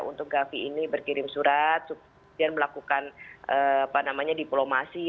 untuk gavi ini berkirim surat kemudian melakukan diplomasi